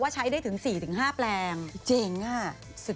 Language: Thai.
เจ๋งอ่ะสุดยอดประหลาด